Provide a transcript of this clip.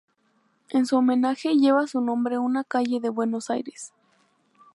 En su homenaje lleva su nombre una calle de Buenos Aires.